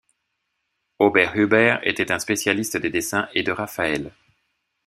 Oberhuber était un spécialiste des dessins et de Raphaël.